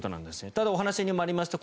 ただお話にもありました